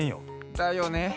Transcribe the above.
だよね！